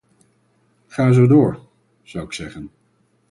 Ga zo door, zou ik zeggen.